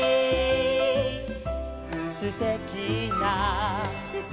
「すてきな」